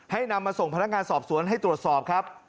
นำมาส่งพนักงานสอบสวนให้ตรวจสอบครับ